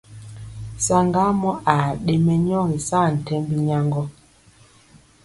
Saŋgamɔ aa ɗe mɛnyɔgi saa tembi nyagŋgɔ.